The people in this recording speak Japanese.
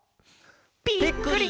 「ぴっくり！